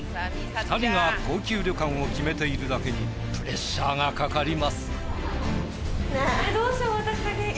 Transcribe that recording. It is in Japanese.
２人が高級旅館を決めているだけにプレッシャーがかかります。